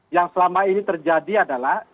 yang selama ini terjadi adalah